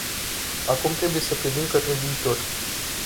Acum trebuie să privim către viitor.